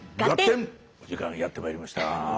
お時間やってまいりました。